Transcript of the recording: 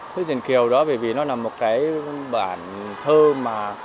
thích truyền kiều đó bởi vì nó là một cái bản thơ mà